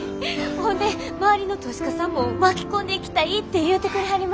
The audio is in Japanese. ほんで周りの投資家さんも巻き込んでいきたいって言うてくれはりました。